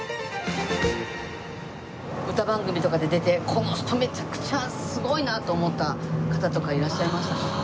歌番組とかで出てこの人めちゃくちゃすごいなと思った方とかいらっしゃいましたか？